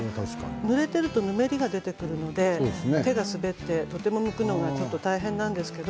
むいているとぬめりが出てくるので手が滑ってむくのがとても大変なんですけど。